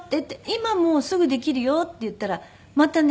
「今もうすぐできるよ」って言ったらまたね